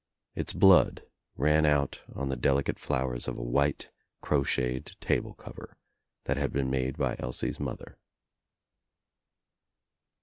Its blood ran out on the delicate flowers of a white crocheted table cover that had been made by Elsie's mother.